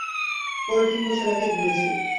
পরের তিন বছর একাই ঘুরেছি।